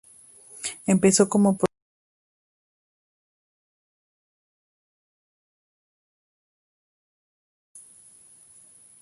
Empezó como protegido de Robert Altman, a quien ayudó en cintas como "Nashville".